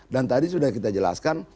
dan tadi sudah kita jelaskan